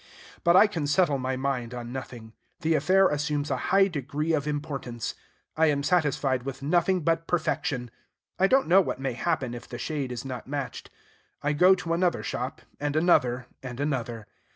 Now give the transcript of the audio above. But I can settle my mind on nothing. The affair assumes a high degree of importance. I am satisfied with nothing but perfection. I don't know what may happen if the shade is not matched. I go to another shop, and another, and another.